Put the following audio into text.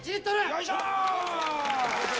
よいしょー。